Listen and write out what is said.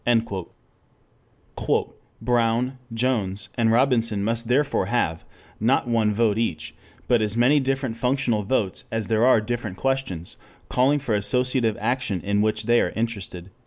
"] "Brown, Jones, and Robinson must therefore have, not one vote each, but as many different functional votes as there are different questions calling for associative action in which they are interested."